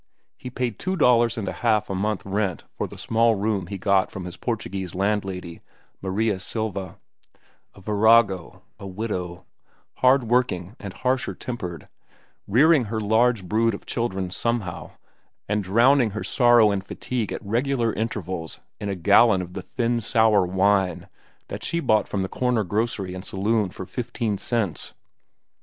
He paid two dollars and a half a month rent for the small room he got from his Portuguese landlady, Maria Silva, a virago and a widow, hard working and harsher tempered, rearing her large brood of children somehow, and drowning her sorrow and fatigue at irregular intervals in a gallon of the thin, sour wine that she bought from the corner grocery and saloon for fifteen cents.